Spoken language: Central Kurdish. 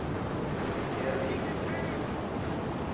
کێ هاتبوو؟